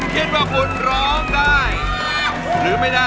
คิดว่าผมร้องผิด